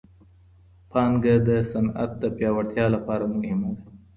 پانګه د صنعت د پياوړتيا لپاره مهمه ده.